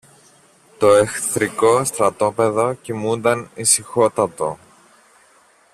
Το εχθρικό στρατόπεδο κοιμούνταν ησυχότατο.